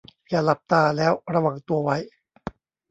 อย่าหลับตาแล้วระวังตัวไว้